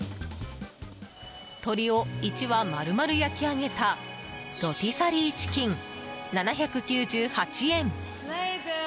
鶏を１羽丸々焼き上げたロティサリーチキン、７９８円。